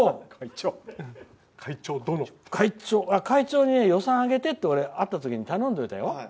会長に予算上げてって会った時に頼んでおいたよ。